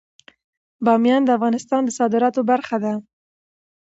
بامیان د افغانستان د صادراتو برخه ده.